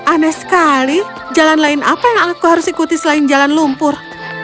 aneh sekali jalan lain apa yang aku harus ikuti selain jalan lumpur